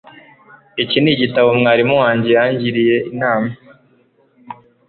iki nigitabo mwarimu wanjye yangiriye inama